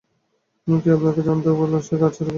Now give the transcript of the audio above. কে আপনাকে জানতে বলেছিল গাঁ ছেড়ে চলে যাব?